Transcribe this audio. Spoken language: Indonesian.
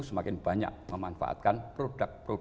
semakin banyak memanfaatkan produk produk layanan keuangan